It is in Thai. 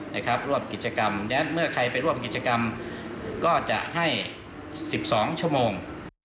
และถ้าใครไปร่วมกิจกรรมก็จะให้๑๒ชั่วโมง